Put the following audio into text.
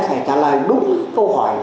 phải trả lời đúng câu hỏi